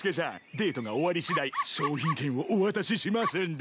デートが終わり次第商品券をお渡ししますんで。